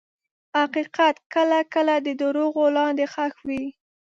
حقیقت کله کله د دروغو لاندې ښخ وي.